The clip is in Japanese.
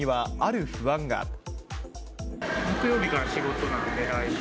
木曜日から仕事なんで、来週。